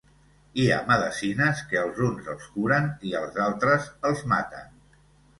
Hi ha medecines que als uns els curen i als altres els maten.